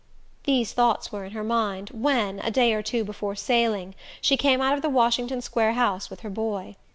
These thoughts were in her mind when, a day or two before sailing, she came out of the Washington Square house with her boy.